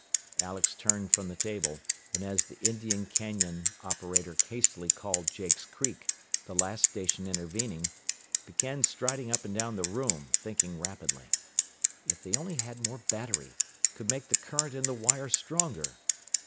Alex turned from the table, and as the Indian Canyon operator hastily called Jakes Creek, the last station intervening, began striding up and down the room, thinking rapidly. If they only had more battery could make the current in the wire stronger!